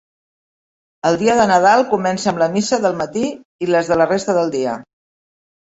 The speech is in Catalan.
El dia de Nadal comença amb la missa del matí i les de la resta del dia.